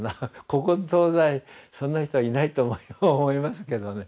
古今東西そんな人はいないと思いますけどね